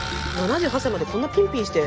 ７８歳までこんなピンピンして。